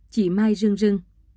chị mai rưng rưng